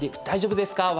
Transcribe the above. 大丈夫ですか？